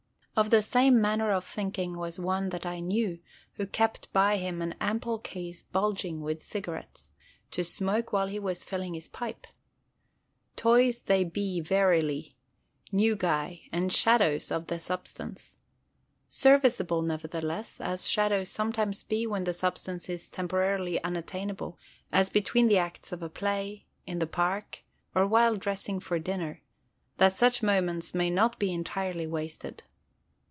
Of the same manner of thinking was one that I knew, who kept by him an ample case bulging with cigarettes, to smoke while he was filling his pipe. Toys they be verily, nugæ, and shadows of the substance. Serviceable, nevertheless, as shadows sometimes be when the substance is temporarily unattainable; as between the acts of a play, in the park, or while dressing for dinner: that such moments may not be entirely wasted.